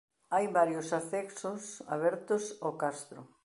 Hai varios accesos abertos ao castro.